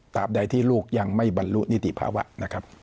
ใดที่ลูกยังไม่บรรลุนิติภาวะนะครับ